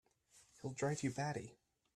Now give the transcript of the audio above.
He'll drive you batty!